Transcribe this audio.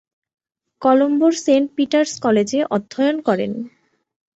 কলম্বোর Saint Peter's কলেজে অধ্যয়ন করেন।